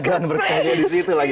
bagaimana berkarya di situ lagi